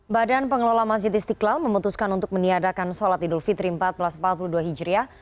badan pengelola masjid istiqlal memutuskan untuk meniadakan sholat idul fitri seribu empat ratus empat puluh dua hijriah